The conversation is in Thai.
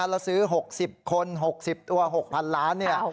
แล้วซื้อ๖๐คน๖๐ตัว๖๐๐๐ล้านเนี่ย